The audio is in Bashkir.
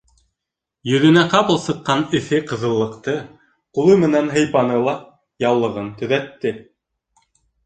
Йөҙөнә ҡапыл сыҡҡан эҫе ҡыҙыллыҡты ҡулы менән һыйпаны ла яулығын төҙәтте.